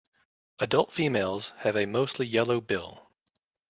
Adult females have a mostly yellow bill.